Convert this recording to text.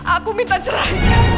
aku minta cerah